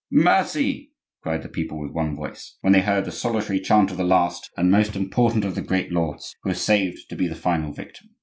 "Mercy!" cried the people with one voice, when they heard the solitary chant of the last and most important of the great lords, who was saved to be the final victim.